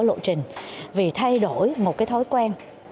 bản phân a t tiktok ằng